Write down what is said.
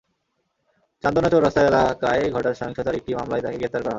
চান্দনা চৌরাস্তা এলাকায় ঘটা সহিংসতার একটি মামলায় তাঁকে গ্রেপ্তার করা হয়।